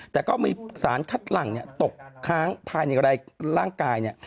แต่ก็มีสารคัดหลังตกท้ั้งภายในรายร่างกาย